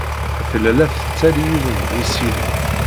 Tella la tettali yiwen n yisili.